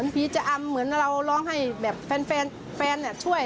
ผีจะอำเหมือนเราร้องให้แบบแฟนช่วย